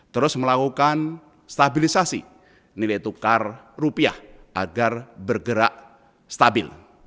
terus melakukan stabilisasi nilai tukar rupiah agar bergerak stabil